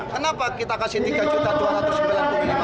kenapa kita kasih rp tiga dua ratus sembilan puluh